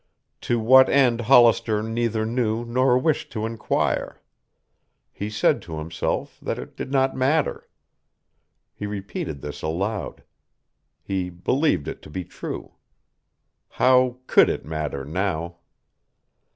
To what end Hollister neither knew nor wished to inquire. He said to himself that it did not matter. He repeated this aloud. He believed it to be true. How could it matter now?